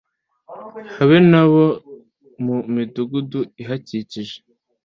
habe n'abo mu midugudu ihakikije